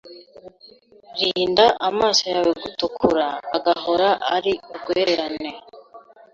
rinda amaso yawe gutukura agahora ari urwererane